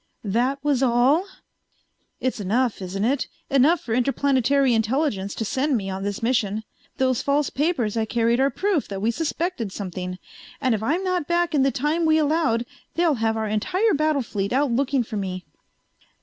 "That was all?" "It's enough, isn't it? Enough for Interplanetary Intelligence to send me on this mission. Those false papers I carried are proof that we suspected something. And if I'm not back in the time we allowed they'll have our entire battle fleet out looking for me."